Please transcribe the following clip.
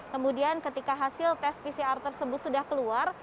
kemudian ketika hasil tes pcr tersebut sudah keluar